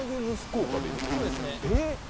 そうですねえっ